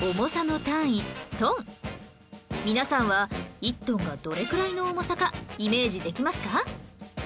皆さんは１トンがどれくらいの重さかイメージできますか？